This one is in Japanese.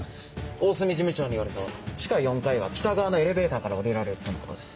大隅事務長によると地下４階へは北側のエレベーターから下りられるとのことです。